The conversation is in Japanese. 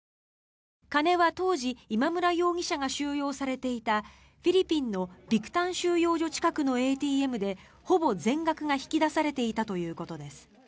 金は、当時、今村容疑者が収容されていたフィリピンのビクタン収容所近くのＡＴＭでほぼ全額が引き出されていたということです。